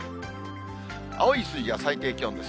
青い数字が最低気温です。